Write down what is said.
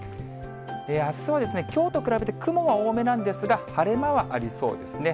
あすは、きょうと比べて雲は多めなんですが、晴れ間はありそうですね。